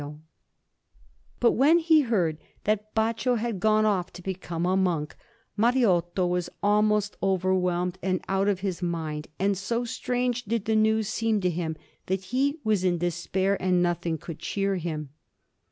Florence: Accademia, 167_) Alinari] But when he heard that Baccio had gone off to become a monk, Mariotto was almost overwhelmed and out of his mind; and so strange did the news seem to him, that he was in despair, and nothing could cheer him.